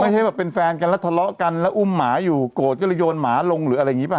ให้แบบเป็นแฟนกันแล้วทะเลาะกันแล้วอุ้มหมาอยู่โกรธก็เลยโยนหมาลงหรืออะไรอย่างนี้ป่